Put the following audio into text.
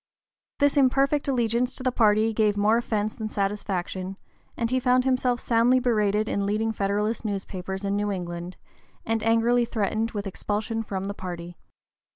This imperfect allegiance to the party gave more offence than satisfaction, and he found himself soundly berated in leading Federalist newspapers in New England, and angrily threatened with expulsion from the party.